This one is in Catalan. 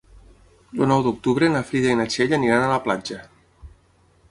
El nou d'octubre na Frida i na Txell aniran a la platja.